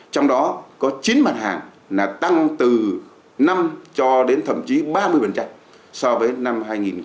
trong đó có chín mặt hàng là tăng từ năm cho đến thậm chí ba mươi so với năm hai nghìn một mươi bảy